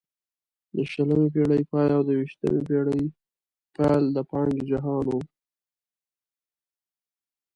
د شلمې پېړۍ پای او د یوویشتمې پېړۍ پیل د پانګې جهان وو.